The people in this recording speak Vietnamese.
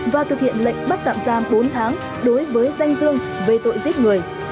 và thực hiện lệnh bắt tạm giam bốn tháng đối với danh dương về tội giết người